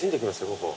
ここ。